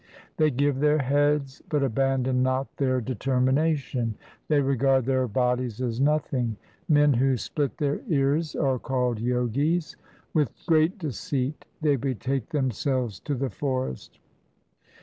They give their heads, but abandon not their determina tion : 1 They regard their bodies as nothing. Men who split their ears are called Jogis ; With great deceit they betake themselves to the forest.